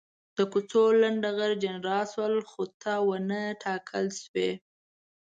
د کوڅو لنډه غر جنرالان شول، خو ته ونه ټاکل شوې.